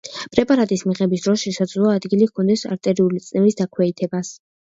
პრეპარატის მიღების დროს შესაძლოა ადგილი ჰქონდეს არტერიული წნევის დაქვეითებას.